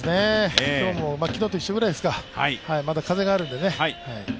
今日も昨日と一緒ぐらいですかまだ風があるんでね。